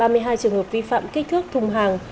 ba mươi hai trường hợp vi phạm kích thước thùng hàng